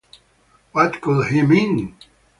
What could he mean?